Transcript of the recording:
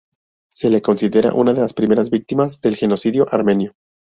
Se le considera una de las primeras víctimas del Genocidio Armenio.